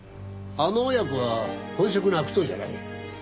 あの親子は本職の悪党じゃない。